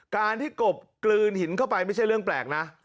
การที่กบกลืนหินเข้าไปไม่ใช่เรื่องแปลกนะ